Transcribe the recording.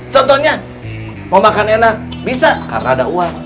contohnya mau makan enak bisa karena ada uang